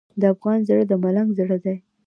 د افغان زړه د ملنګ زړه دی.